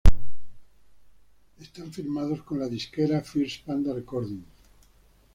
Están firmados con la disquera "Fierce Panda Recordings".